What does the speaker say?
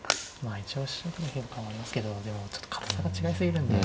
あ一応飛車を取る変化はありますけどでもちょっと堅さが違い過ぎるんで。